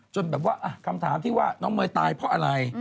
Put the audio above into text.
แบบว่าคำถามที่ว่าน้องเมย์ตายเพราะอะไร